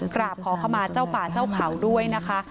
กราบขอเข้ามาเจ้าป่าเจ้าเขาด้วยนะคะ